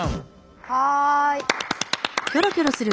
はい。